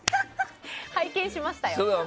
拝見しましたよ。